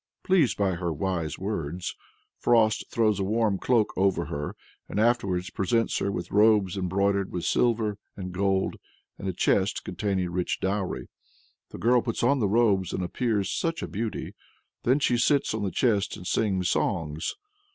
Pleased by her "wise words," Frost throws a warm cloak over her, and afterwards presents her with "robes embroidered with silver and gold, and a chest containing rich dowry." The girl puts on the robes, and appears "such a beauty!" Then she sits on the chest and sings songs.